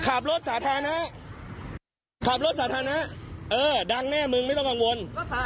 ขับรถสาธารณะขับรถสาธารณะเออดังแน่มึงไม่ต้องกังวล